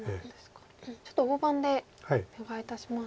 ちょっと大盤でお願いいたします。